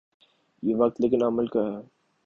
یہ وقت لیکن عمل کا ہے۔